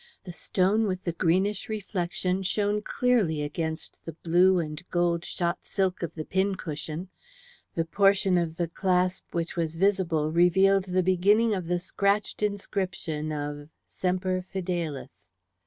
The stone with the greenish reflection shone clearly against the blue and gold shot silk of the pincushion; the portion of the clasp which was visible revealed the beginning of the scratched inscription of "Semper Fidelis."